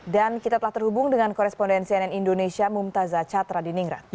dan kita telah terhubung dengan korespondensi ann indonesia mumtazah catra di ningrat